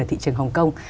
ở thị trường hồng kông